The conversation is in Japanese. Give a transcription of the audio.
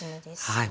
はい。